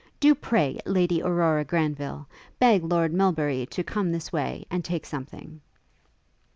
Do pray, Lady Aurora Granville, beg Lord Melbury to come this way, and take something.'